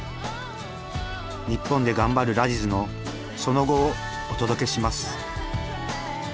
ニッポンで頑張るラジズのその後をお届けします。